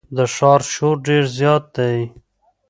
د ښار شور ډېر زیات دی.